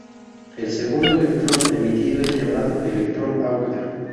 El segundo electrón emitido es llamado electrón Auger.